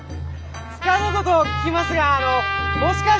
つかぬことを聞きますがあのもしかし。